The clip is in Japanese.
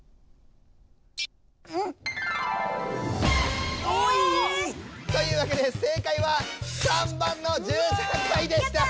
え⁉というわけで正解は３番の１３回でした。